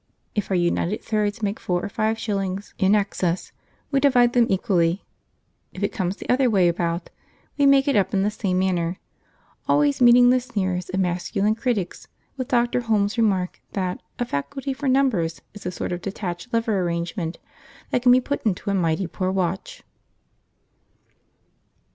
If our united thirds make four or five shillings in excess, we divide them equally; if it comes the other way about, we make it up in the same manner; always meeting the sneers of masculine critics with Dr. Holmes's remark that a faculty for numbers is a sort of detached lever arrangement that can be put into a mighty poor watch.